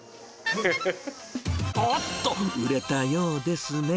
おっと、売れたようですね。